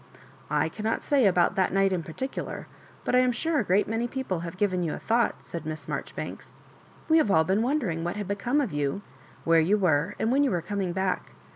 "I cannot say about that night in particular, but I am sure a great many people have given you a thought," said Miss Marjoribanks. " We have all been wondering what had become of you, where you were, and when you were com ing back.